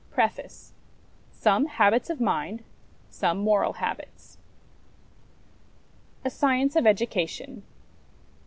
PART IV SOME HABITS OF MIND SOME MORAL HABITS A Science of Education.